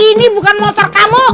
ini bukan motor kamu